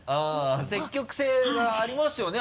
積極性がありますよね。